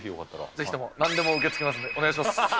ぜひともなんでも受け付けますんで、お願いします。